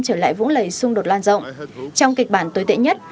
trở lại vũng lầy xung đột lan rộng trong kịch bản tối tệ nhất